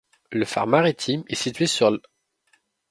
Le phare maritime est situé sur l'.